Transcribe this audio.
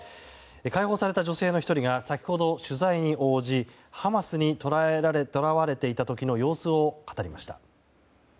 解放された女性の１人が先ほど取材に応じハマスに捕らわれていた時の様子を語りました。